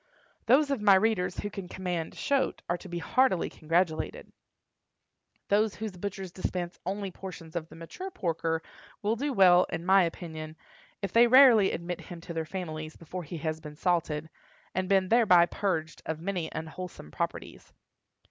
Those of my readers who can command "shoat" are to be heartily congratulated. Those whose butchers dispense only portions of the mature porker will do well, in my opinion, if they rarely admit him to their families before he has been salted, and been thereby purged of many unwholesome properties.